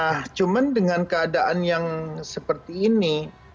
nah cuma dengan keadaan yang seperti ini